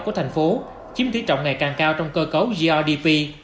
của thành phố chiếm tỷ trọng ngày càng cao trong cơ cấu grdp